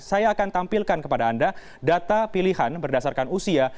saya akan tampilkan kepada anda data pilihan berdasarkan usia